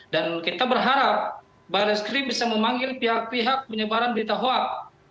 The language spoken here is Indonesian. dan kita berharap barreskrim bisa memanggil pihak pihak penyebaran berita hoax